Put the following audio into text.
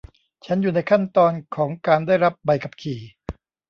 ฉันอยู่ในขั้นตอนของการได้รับใบขับขี่